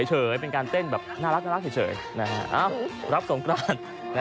เป็นการเต้นแบบน่ารักเฉยรับสงกราน